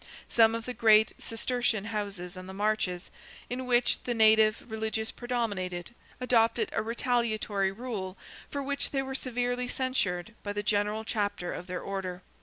Some of the great Cistercian houses on the marches, in which the native religious predominated, adopted a retaliatory rule, for which they were severely censured by the general Chapter of their Order.